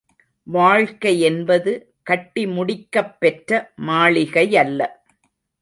வாழ்க்கையென்பது கட்டி முடிக்கப் பெற்ற மாளிகையல்ல.